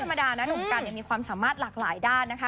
ธรรมดานะหนุ่มกันยังมีความสามารถหลากหลายด้านนะคะ